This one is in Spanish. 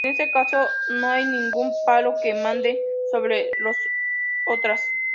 En este caso no hay ningún palo que mande sobre los otras.